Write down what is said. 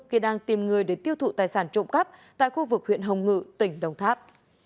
khi đang tìm người để tiêu thụ tài sản trộm cắp tại khu vực huyện hồng ngự tỉnh đồng tháp